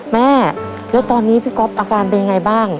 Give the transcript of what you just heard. แม่แล้วตอนนี้พี่ก๊อฟอาการเป็นยังไงบ้าง